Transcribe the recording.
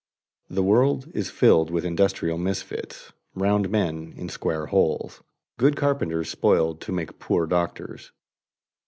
The world is filled with industrial misfits, "round men in square holes," good carpenters spoiled to make poor doctors.